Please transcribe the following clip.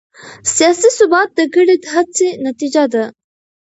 سیاسي ثبات د ګډې هڅې نتیجه ده